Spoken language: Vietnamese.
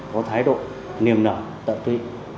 có thái độ niềm nở tận tụy